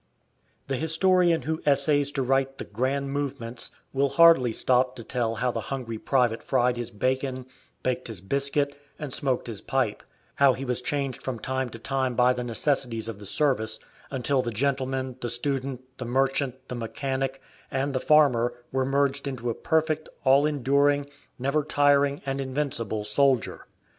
The historian who essays to write the "grand movements" will hardly stop to tell how the hungry private fried his bacon, baked his biscuit, and smoked his pipe; how he was changed from time to time by the necessities of the service, until the gentleman, the student, the merchant, the mechanic, and the farmer were merged into a perfect, all enduring, never tiring and invincible soldier.